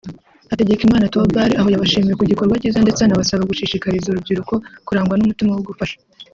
Hategekimana Theobald aho yabashimiye ku gikorwa cyiza ndetse anabasaba gushishikariza urubyiruko kurangwa n’umutima wo gufasha